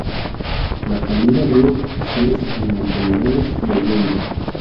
La familia abrió sucursales en Montemorelos y Allende.